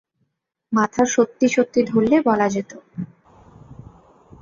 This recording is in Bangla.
মাথা সত্যি সত্যি ধরলে বলা যেত।